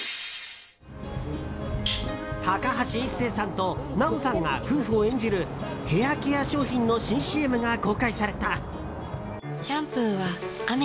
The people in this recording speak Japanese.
高橋一生さんと奈緒さんが夫婦を演じるヘアケア商品の新ＣＭが公開された。